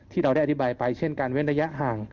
ที่เราได้อธิบายไปเช่นการเว้นระยะห่าง